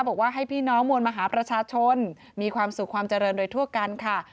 บอกว่าให้พี่น้องมวลมหาประชาชนมีความสุขความเจริญโดยทั่วกันค่ะ